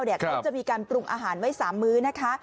เขาจะมีการปรุงอาหารไว้๓มื้อนะคะ